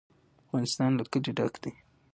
افغانستان له کلي ډک دی.